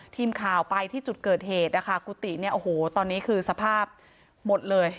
ทีมข่าวไปที่จุดเกิดเหตุนะคะกุฏิเนี่ยโอ้โหตอนนี้คือสภาพหมดเลย